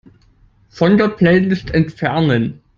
Von der Playlist entfernen.